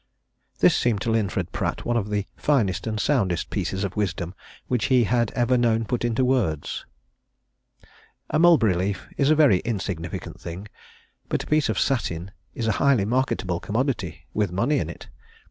This seemed to Linford Pratt one of the finest and soundest pieces of wisdom which he had ever known put into words. A mulberry leaf is a very insignificant thing, but a piece of satin is a highly marketable commodity, with money in it.